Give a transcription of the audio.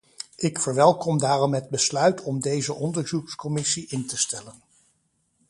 Ik verwelkom daarom het besluit om deze onderzoekscommissie in te stellen.